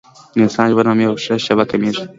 د انسان ژوند هم هره شېبه کمېږي.